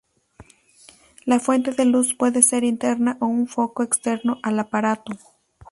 La fuente de luz puede ser interna o un foco externo al aparato.